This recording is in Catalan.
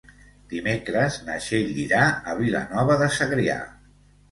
Dimecres na Txell irà a Vilanova de Segrià.